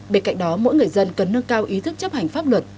bên cạnh đó mỗi người dân cần nâng cao ý thức chấp hành pháp luật